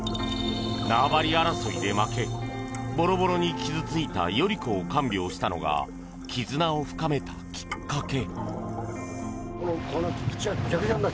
縄張り争いで負けボロボロに傷付いた頼子を看病したのが絆を深めたきっかけ。